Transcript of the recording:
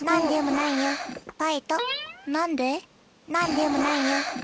なんでもないね。